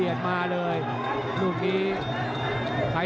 ให้ทำได้สุดย้าย